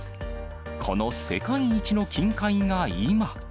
この世界一の金塊が今。